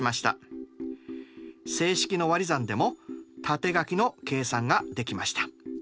整式のわり算でも縦書きの計算ができました。